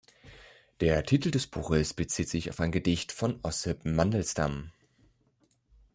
Der Titel des Buches bezieht sich auf ein Gedicht von Ossip Mandelstam.